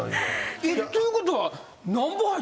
ということは。